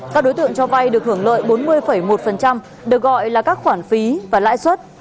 các đối tượng cho vay được hưởng lợi bốn mươi một được gọi là các khoản phí và lãi suất